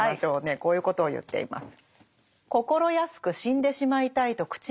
こういうことを言っています。